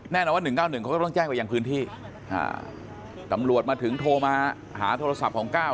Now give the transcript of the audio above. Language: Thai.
แน่นอนว่า๑๙๑เขาก็ต้องแจ้งไปยังพื้นที่ตำรวจมาถึงโทรมาหาโทรศัพท์ของก้าว